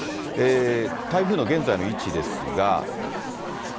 台風の現在の位置ですが。